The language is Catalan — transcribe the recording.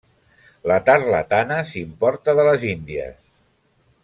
La tarlatana s'importa de les Índies.